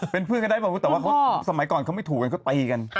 เป็นเพื่อนก็ได้แต่ว่าสมัยก่อนเขาไม่ถูกกันเขาก็ไปกัน